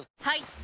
はい！